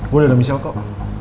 gue udah dami sel kok